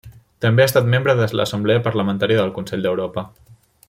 També ha estat membre de l'Assemblea Parlamentària del Consell d'Europa.